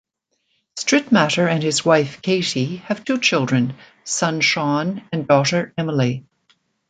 Strittmatter and his wife, Katie, have two children, son Sean and daughter Emily.